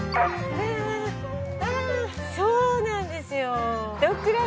そうなんですよ。